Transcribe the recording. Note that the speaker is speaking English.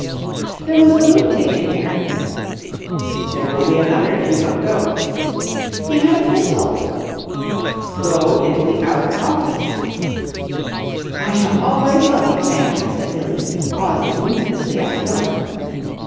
"There was a lunatic in here...." "There will be another if you don't go." "He had a pistol." "Go into the outer office!" "I shall always love you, Sam!" said Billie, pausing mutinously at the door.